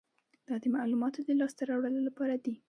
دا د معلوماتو د لاسته راوړلو لپاره دی.